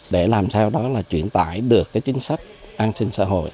để làm sao đó là chuyển tải được cái chính sách an sinh xã hội